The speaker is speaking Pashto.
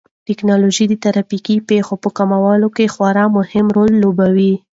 ټیکنالوژي د ترافیکي پېښو په کمولو کې خورا مهم رول لوبوي.